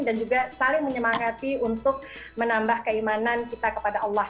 dan juga saling menyemangati untuk menambah keimanan kita kepada allah